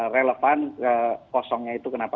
relevan kosongnya itu kenapa